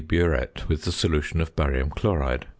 burette with the solution of barium chloride.